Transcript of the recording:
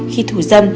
khi thủ dâm